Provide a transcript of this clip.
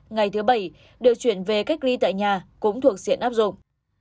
ngày thứ bảy điều chuyển về cách ly tại nhà cũng thuộc diện áp dụng